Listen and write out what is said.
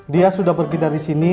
dia sudah pergi dari sini